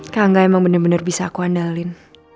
kak angga emang bener bener bisa aku andalin